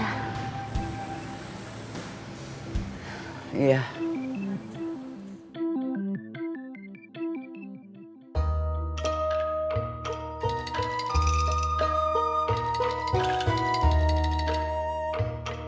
terus bisa selesai